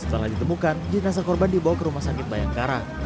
setelah ditemukan jenazah korban dibawa ke rumah sakit bayangkara